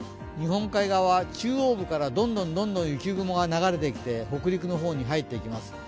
日本海側、中央部からどんどん雪雲が流れてきて北陸の方に流れてきます。